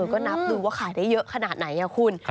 ก็นับดูว่าขายได้เยอะขนาดไหนคุณ